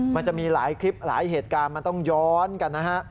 มันจะมีหลายคลิปหลายเหตุการณ์มันต้องย้อนกันนะฮะ